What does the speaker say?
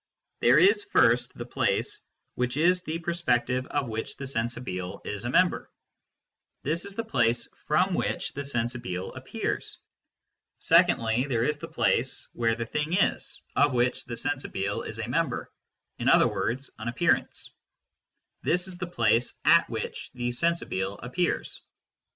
There is first the place which is the per SENSE DATA AND PHYSICS 163 spective of which the " sensibile " is a member. This is the place from which the " sensibile " appears. Secondly there is the place where the thing is of which the " sen sibile " is a member, in other words an appearance ; this is the place at which the " sensibile " appears.